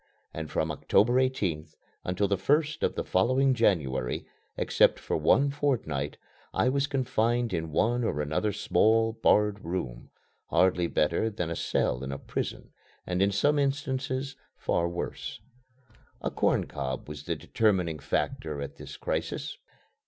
And from October 18th until the first of the following January, except for one fortnight, I was confined in one or another small, barred room, hardly better than a cell in a prison and in some instances far worse. A corn cob was the determining factor at this crisis.